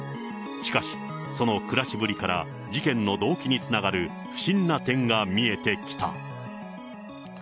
しかし、その暮らしぶりから事件の動機につながる不審な点が見えてきた。